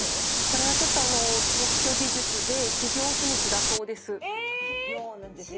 これはちょっとあの特許技術で企業秘密だそうです。